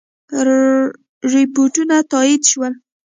رپوټونه تایید شول.